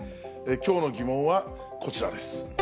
きょうのギモンはこちらです。